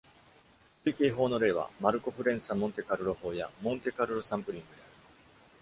推計法の例は、マルコフ連鎖モンテカルロ法や Monte Carlo サンプリングである。